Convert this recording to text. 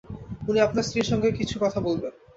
উনি আপনার স্ত্রীর সঙ্গে কিছু কথা বলবেন।